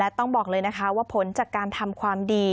ต้องบอกเลยนะคะว่าผลจากการทำความดี